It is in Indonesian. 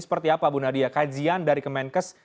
seperti apa bu nadia kajian dari kemenkes